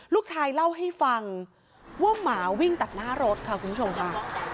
ลูกชายเล่าให้ฟังว่าหมาวิ่งตัดหน้ารถค่ะคุณผู้ชมค่ะ